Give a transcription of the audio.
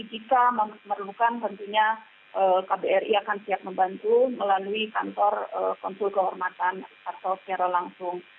jika memerlukan tentunya kbri akan siap membantu melalui kantor konsul kehormatan atau secara langsung